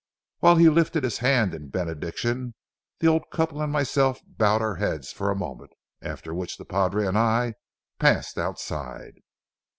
While he lifted his hand in benediction, the old couple and myself bowed our heads for a moment, after which the padre and I passed outside.